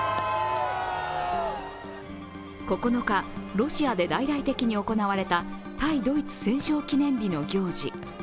９日、ロシアで大々的に行われた対ドイツ戦勝記念日の行事。